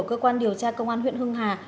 cơ quan điều tra công an huyện hưng hà